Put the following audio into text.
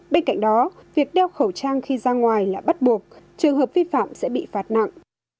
bên cạnh đó việc đeo khẩu trang khi ra ngoài là bắt buộc trường hợp vi phạm sẽ bị phạt nặng